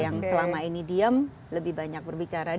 yang selama ini diam lebih banyak berbicara